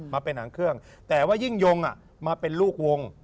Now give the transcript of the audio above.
มาเป็นหางเครื่องแต่ว่ายิ่งยงมาเป็นลูกวง